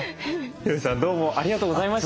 ヒロシさんどうもありがとうございました。